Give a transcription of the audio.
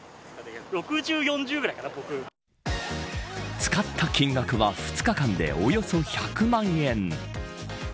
使った金額は２日間でおよそ１００万円。